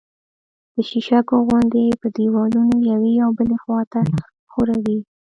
د شیشکو غوندې په دېوالونو یوې او بلې خوا ته ښوري